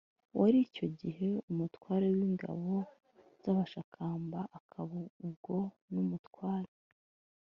wari icyo gihe umutware w’ingabo z’abashakamba; akaba ubwo n’umutware